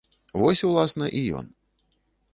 Вось, уласна, і ён.